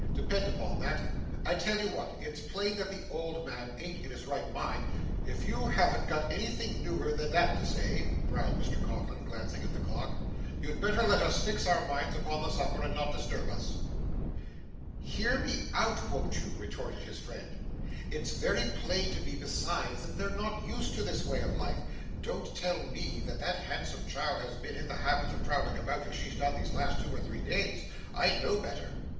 'Depend upon that. I tell you what it's plain that the old man an't in his right mind ' 'If you haven't got anything newer than that to say,' growled Mr Codlin, glancing at the clock, 'you'd better let us fix our minds upon the supper, and not disturb us.' 'Hear me out, won't you?' retorted his friend. 'It's very plain to me, besides, that they're not used to this way of life. Don't tell me that that handsome child has been in the habit of prowling about as she's done these last two or three days. I know better.